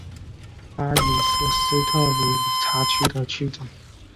他也是斯特鲁米察区的区长。